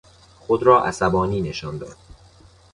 خود را عصبانی نشان داد.